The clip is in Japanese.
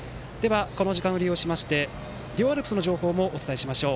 この時間を利用しまして両アルプスの情報もお伝えしましょう。